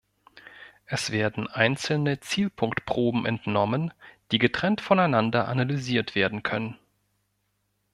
Es werden einzelne Zielpunkt-Proben entnommen, die getrennt voneinander analysiert werden können.